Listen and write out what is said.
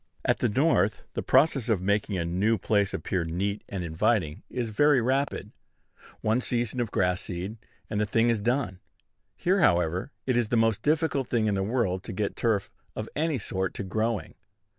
At the North, the process of making a new place appear neat and inviting is very rapid. One season of grass seed, and the thing is done. Here, however, it is the most difficult thing in the world to get turf of any sort to growing.